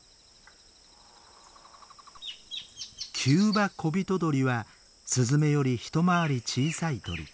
キューバコビトドリはスズメより一回り小さい鳥。